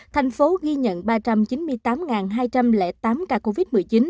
thành phố ghi nhận ba trăm chín mươi tám hai trăm linh tám ca covid một mươi chín